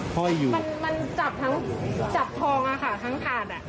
อยู่มันมันจับทั้งจับทองอะค่ะทั้งถาดอ่ะ